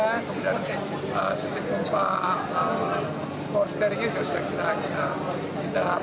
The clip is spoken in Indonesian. kemudian sistem kompak skor steeringnya juga sudah kita akhiri